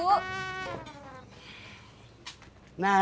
lu pernah sekolah kan